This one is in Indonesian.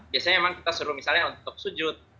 biasanya memang kita suruh misalnya untuk sujud